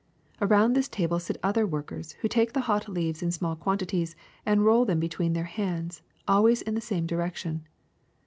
Around this table sit other workers who take the hot leaves in small quantities and roll them between their hands, always in the same direction.